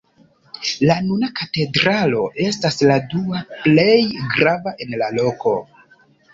La nuna katedralo estas la dua plej grava en la loko.